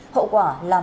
hậu quả là năm người